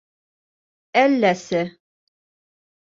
- Әлләсе.